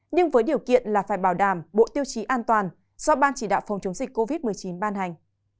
nhưng với điều kiện là phải bảo đảm bộ tiêu chí an toàn do ban chỉ đạo phòng chống dịch covid một mươi chín ban hành